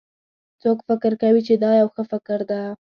څوک فکر کوي چې دا یو ښه فکر ده